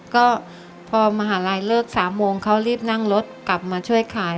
ก็พอมหาลัยเลิก๓โมงเขารีบนั่งรถกลับมาช่วยขาย